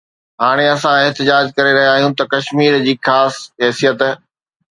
هاڻي اسان احتجاج ڪري رهيا آهيون ته ڪشمير جي خاص حيثيت